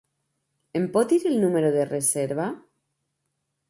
Em pot dir el número de reserva?